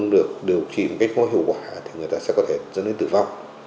được trị một cách không hiệu quả thì người ta sẽ có thể dẫn đến tử vong